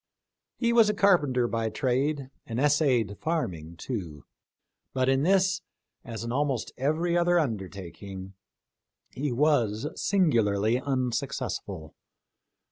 He was a carpenter by trade, and essayed farming too ; but in this, as in almost every other undertaking, he was singularly unsuccessful.